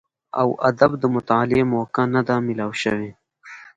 او ادب د مطالعې موقع نۀ ده ميلاو شوې